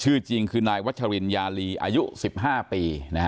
ชื่อจริงคือนายวัชริริญญารีอายุสิบห้าปีนะฮะ